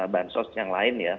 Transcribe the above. bahan sos yang lain ya